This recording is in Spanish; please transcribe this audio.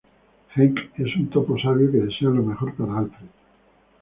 Henk es un topo sabio que desea lo mejor para Alfred.